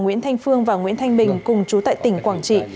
nguyễn thanh phương và nguyễn thanh bình cùng chú tại tỉnh quảng trị